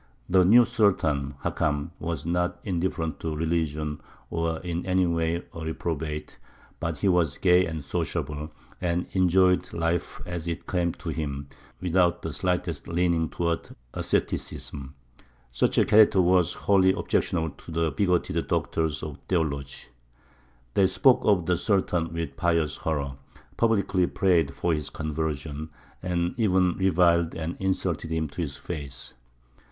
The new Sultan, Hakam, was not indifferent to religion or in any way a reprobate; but he was gay and sociable, and enjoyed life as it came to him, without the slightest leaning towards asceticism. Such a character was wholly objectionable to the bigoted doctors of theology. They spoke of the Sultan with pious horror, publicly prayed for his conversion, and even reviled and insulted him to his face.